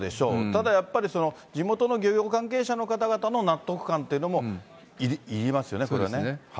ただやっぱり、地元の漁業関係者の方々の納得感っていうのもいりますよね、これはね。